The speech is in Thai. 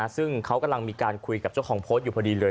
ซึ่งเขากำลังมีการคุยกับเจ้าของโพสต์อยู่พอดีเลย